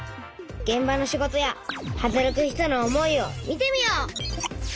げん場の仕事や働く人の思いを見てみよう！